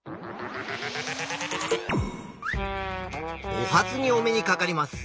お初にお目にかかります。